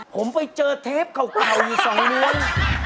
ผมไปเจอเทปเก่าอยู่๒นิ้ว